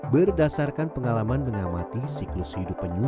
berdasarkan pengalaman mengamati siklus penyuh